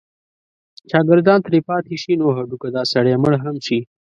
شاګردان ترې پاتې شي نو هډو که دا سړی مړ هم شي.